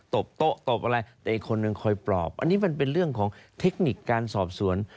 บโต๊ะตบอะไรแต่อีกคนหนึ่งคอยปลอบอันนี้มันเป็นเรื่องของเทคนิคการสอบสวน